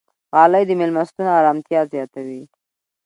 غالۍ د میلمستون ارامتیا زیاتوي.